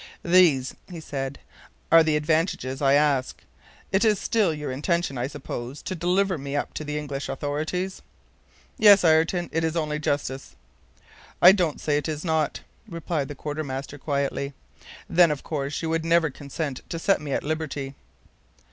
"These," he said, "are the advantages I ask. It is still your intention, I suppose, to deliver me up to the English authorities?" "Yes, Ayrton, it is only justice." "I don't say it is not," replied the quartermaster quietly. "Then of course you would never consent to set me at liberty."